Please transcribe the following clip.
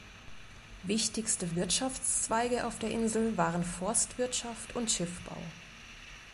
Wichtigste Wirtschaftszweige auf der Insel waren Forstwirtschaft und Schiffbau.